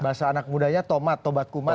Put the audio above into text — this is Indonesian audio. bahasa anak mudanya tomat tobat kuman